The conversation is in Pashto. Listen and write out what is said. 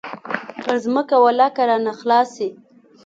پر ځمكه ولله كه رانه خلاص سي.